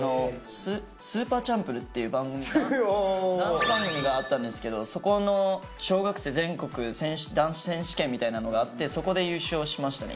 『スーパーチャンプル』っていうダンス番組があったんですけどそこの小学生全国男子選手権みたいなのがあってそこで優勝しましたね